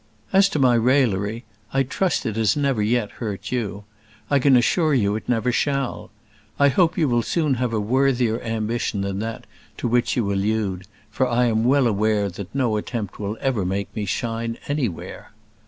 As to my raillery, I trust it has never yet hurt you. I can assure you it never shall. I hope you will soon have a worthier ambition than that to which you allude; for I am well aware that no attempt will ever make me shine anywhere.